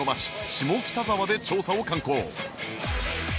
下北沢で調査を敢行